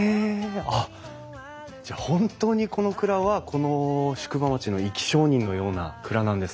あっじゃあ本当にこの蔵はこの宿場町の生き証人のような蔵なんですね。